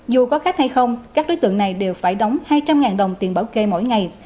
dù có khách hay không các đối tượng này đều phải đóng hai trăm linh đồng tiền bảo kê mỗi ngày